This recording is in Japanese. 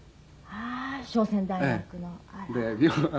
ああー商船大学の。